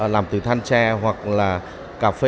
làm từ than tre hoặc là cà phê